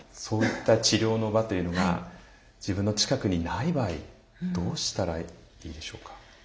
そういった治療の場というのが自分の近くにない場合どうしたらいいでしょうか？